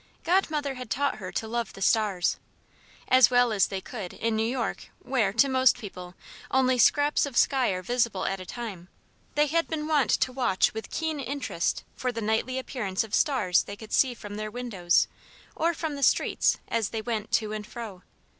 Godmother had taught her to love the stars. As well as they could, in New York where, to most people, only scraps of sky are visible at a time, they had been wont to watch with keen interest for the nightly appearance of stars they could see from their windows or from the streets as they went to and fro.